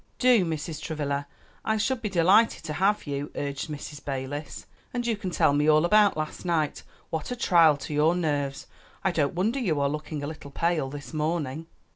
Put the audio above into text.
"Do, Mrs. Travilla! I should be delighted to have you," urged Mrs. Balis; "and you can tell me all about last night. What a trial to your nerves! I don't wonder you are looking a little pale this morning."